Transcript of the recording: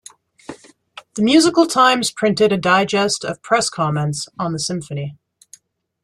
"The Musical Times" printed a digest of press comments on the symphony.